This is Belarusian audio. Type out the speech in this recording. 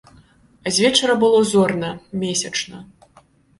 А звечара было зорна, месячна.